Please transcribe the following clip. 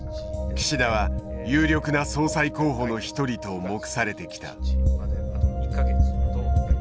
岸田は有力な総裁候補の一人と目されてきた。